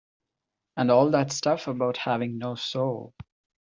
And all that stuff about having no soul.